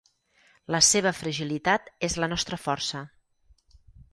La seva fragilitat és la nostra força.